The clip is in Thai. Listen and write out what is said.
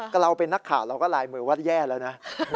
เราเป็นนักข่าวเราก็ลายมือว่าแย่แล้วนะ